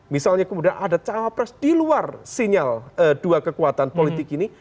misalnya kemudian ada cawapres di luar sinyal dua kekuatan politik ini